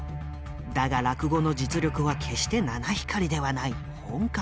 だが落語の実力は決して七光りではない本格派。